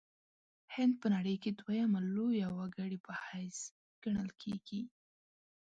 هند په نړۍ کې دویمه لویه وګړې په حیث ګڼل کیږي.